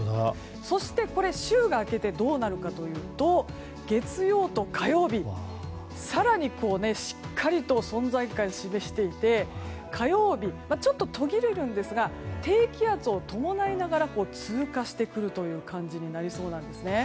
そして、週が明けてどうなるかというと月曜日と火曜日、更にしっかりと存在感示していて火曜日ちょっと途切れるんですが低気圧を伴いながら通過してくる感じになりそうです。